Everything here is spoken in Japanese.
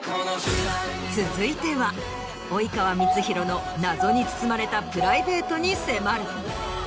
続いては及川光博の謎に包まれたプライベートに迫る。